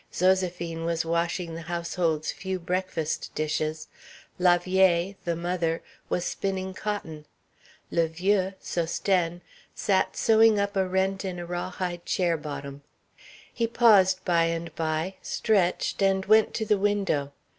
Zoséphine was washing the household's few breakfast dishes. La vieille the mother was spinning cotton. Le vieux Sosthène sat sewing up a rent in a rawhide chair bottom. He paused by and by, stretched, and went to the window.